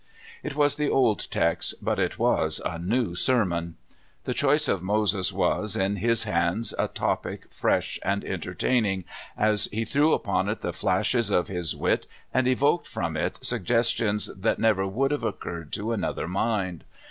It was the old text, but it was a new sermon. The choice of Moses was, in his hands, a topic fresh and entertaining, as he threw upon it the flashes of his wit, and evoked from it suggestions that never would have occurred to another mind.